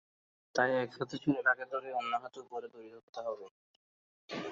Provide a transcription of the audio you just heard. তাই, এক হাতে ছেলেটাকে ধরে, অন্য হাতে উপরে দড়ি ধরতে হবে।